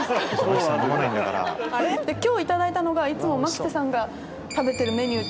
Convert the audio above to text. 今日いただいたのがいつも牧瀬さんが食べてるメニューっていう。